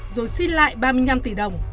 rồi xin lại ba mươi năm tỷ đồng